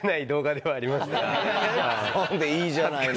いいじゃないの。